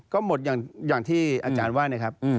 ก็หมดอย่างที่อาจารย์ว่านะครับ